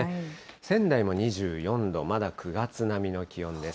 仙台も２４度、まだ９月並みの気温です。